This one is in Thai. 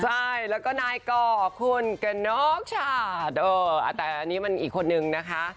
ใช่แล้วก็นายก่อคุณกระนกชาแต่อันนี้มันอีกคนนึงนะคะ